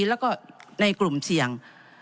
แล้วก็ในกลุ่มเสี่ยง